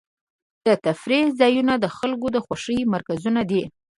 د تفریح ځایونه د خلکو د خوښۍ مرکزونه دي.